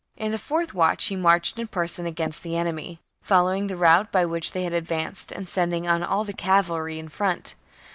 In the fourth watch he marched in person against the enemy, following the route by which they had advanced and sending on all the cavalry in front.